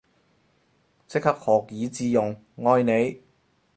即刻學以致用，愛你